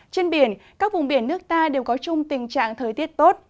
trên biển các vùng biển nước ta đều có chung tình trạng thời tiết tốt